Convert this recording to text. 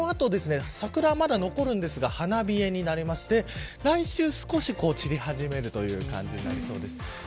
その後、桜はまだ残るのですが花冷えになりまして来週から散り始めるという感じになりそうです。